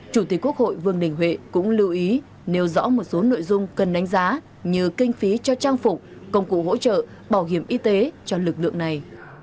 chủ tịch quốc hội vương đình huệ cũng lưu ý nêu rõ một số nội dung cần đánh giá như kinh phí cho trang phục công cụ hỗ trợ bảo hiểm y tế cho lực lượng này